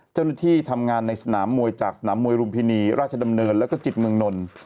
เจ้าหน้าที่ทำงานในสนามมวยจากสนามมวยรุมพินีราชดำเนินแล้วก็จิตเมืองนล